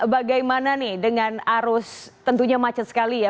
bagaimana nih dengan arus tentunya macet sekali ya